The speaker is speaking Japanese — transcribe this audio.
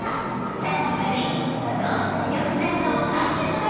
更にわるいところとどうしたらよくなるかを書いてもらいます